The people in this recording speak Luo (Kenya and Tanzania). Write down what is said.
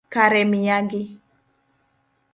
Kare miyagi